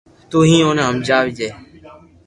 تو ھي اوني ھمجاجي